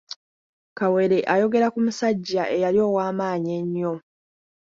Kawere, ayogera ku musajja eyali ow'amaanyi ennyo.